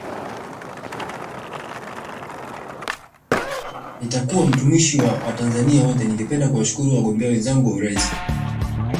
Nitakuwa mtumishi wa Watanzania wote Ningependa kuwashukuru wagombea wenzangu wa urais